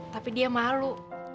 tapi dia malu